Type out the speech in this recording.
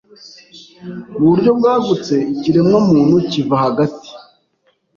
mu buryo bwagutse ikiremwamuntu kiva hagati